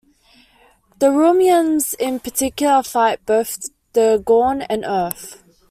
The Romulans in particular fight both the Gorn and Earth.